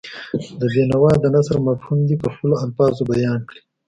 د بېنوا د نثر مفهوم دې په خپلو الفاظو بیان کړي.